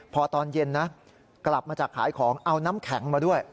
พอตอนเย็นนะกลับมาจากขายของเอาน้ำแข็งมาด้วย